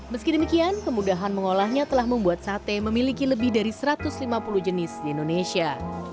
meski demikian kemudahan mengolahnya telah membuat sate memiliki lebih dari satu ratus lima puluh jenis di indonesia